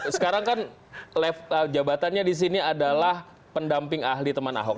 sekarang kan jabatannya di sini adalah pendamping ahli teman ahok